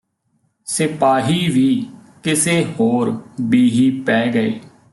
ਸਿਪਾਹੀ ਵੀ ਕਿਸੇ ਹੋਰ ਬੀਹੀ ਪੈ ਗਏ